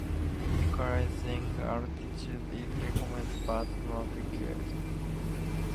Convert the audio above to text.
Equalising altitude is recommended but not required.